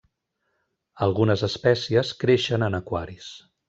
Algunes espècies creixen en aquaris.